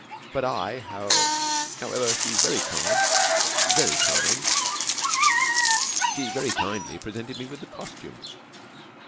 But I however, she's very kind, very kind. She very kindly presented me with the costume.